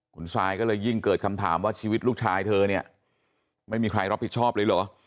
คุณซายก็เลยยิ่งเกิดคำถามว่าชีวิตลูกชายเธอเนี่ยไม่มีใครรับผิดชอบเลยเหรอ